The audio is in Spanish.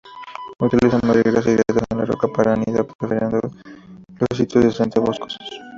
Utilizan madrigueras y grietas en la roca para anidar, prefiriendo los sitios densamente boscosos.